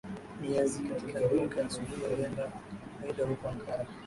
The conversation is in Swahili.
Niyazi katika miaka ya sabini aliandaa Aida huko Ankara